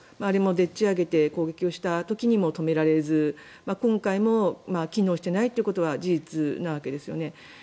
あれもでっち上げて攻撃をした時にも止められず今回も機能していないことは事実なわけですよね。